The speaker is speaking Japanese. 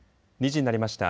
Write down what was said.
２時になりました。